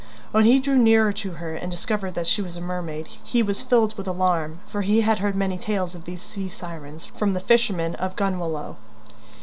When he drew nearer to her and discovered that she was a mermaid he was filled with alarm, for he had heard many tales of these sea sirens from the fishermen of Gunwalloe.